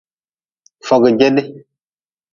Fojede.